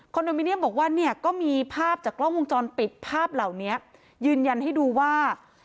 โนมิเนียมบอกว่าเนี่ยก็มีภาพจากกล้องวงจรปิดภาพเหล่านี้ยืนยันให้ดูว่า